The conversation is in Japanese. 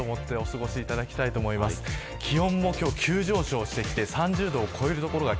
今日は夏だと思ってお過ごしいただきたいと思います。